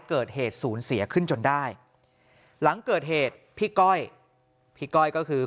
เกิดเหตุศูนย์เสียขึ้นจนได้หลังเกิดเหตุพี่ก้อยพี่ก้อยก็คือ